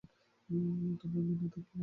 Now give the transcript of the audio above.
তবে আমি না থাকলে, লজ্জা পাবি না।